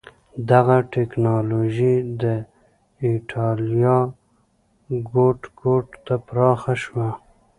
دغه ټکنالوژي د اېټالیا ګوټ ګوټ ته پراخه شوه.